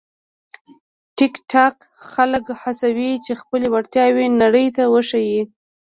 ټیکټاک خلک هڅوي چې خپلې وړتیاوې نړۍ ته وښيي.